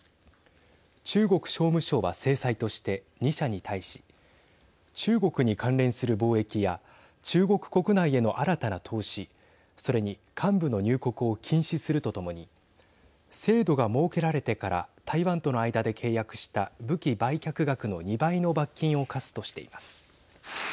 中国商務省は制裁として２社に対し中国に関連する貿易や中国国内への新たな投資それに幹部の入国を禁止するとともに制度が設けられてから台湾との間で契約した武器売却額の２倍の罰金を科すとしています。